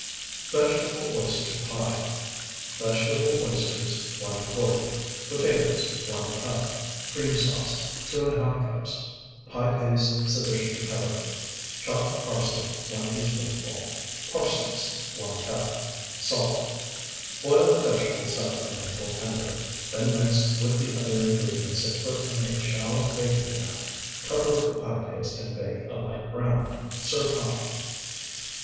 VEGETABLE OYSTER PIE Vegetable oysters, 1 quart. Potatoes, 1 cup. Cream sauce, 2½ cups. Pie paste sufficient to cover. Chopped parsley, 1 teaspoonful. Parsnips, 1 cup. Salt. Boil the vegetables separately until tender; then mix with the other ingredients and put in a shallow baking pan. Cover with the pie paste and bake a light brown. Serve hot.